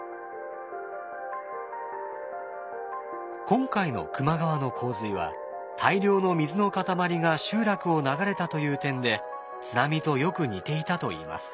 今回の球磨川の洪水は大量の水の塊が集落を流れたという点で津波とよく似ていたといいます。